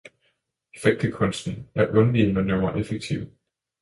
I fægtekunsten er undvigemanøvrer effektive.